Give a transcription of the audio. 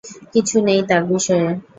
কিছু নেই তার বিষয়ে।